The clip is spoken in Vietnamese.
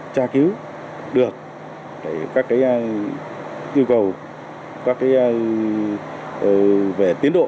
tra cứu được các tư cầu về tiến độ